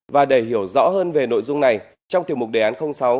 và để hiểu rõ hơn về nội dung này trong tiểu mục đề án sáu